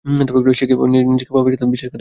সে কীভাবে নিজের বাপের সাথে বিশ্বাসঘাতক করতে পারে!